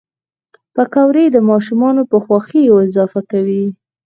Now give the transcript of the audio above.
پکورې د ماشومانو په خوښیو اضافه کوي